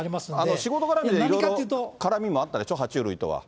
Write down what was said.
仕事絡みで何かいろいろあったんでしょ、は虫類とは。